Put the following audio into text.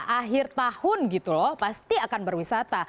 akhir tahun gitu loh pasti akan berwisata